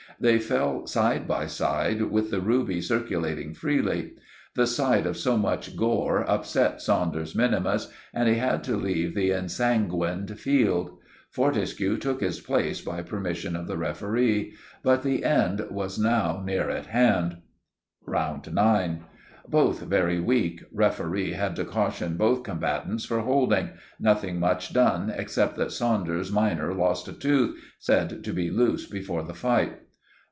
They fell side by side with the ruby circulating freely. The sight of so much gore upset Saunders minimus, and he had to leave the ensanguined field. Fortescue took his place by permission of the referee. But the end was now near at hand. [Illustration: "THE FIGHTING WAS VERY WILD AND UNSCIENTIFIC."] "Round 9.—Both very weak. Referee had to caution both combatants for holding. Nothing much done, except that Saunders minor lost a tooth, said to be loose before the fight.